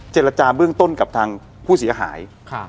เจรจาเบื้องต้นกับทางผู้เสียหาย